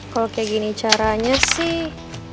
kalau kayak gini caranya sih